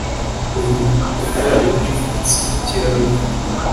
Ku rukuta ruri munsi yikirahure